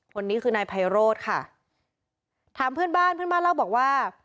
คนนี้คือนายไพโรธค่ะถามเพื่อนบ้านเพื่อนบ้านเล่าบอกว่า